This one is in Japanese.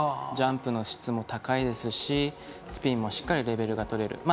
ジャンプの質も高いですしスピンもしっかりレベルが取れる。